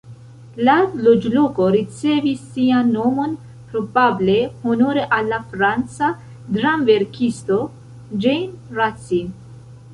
La loĝloko ricevis sian nomon probable honore al la franca dramverkisto Jean Racine.